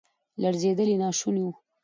لړزیدل یې ناشوني وو.